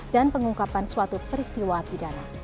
dan pengungkapan suatu peristiwa pidana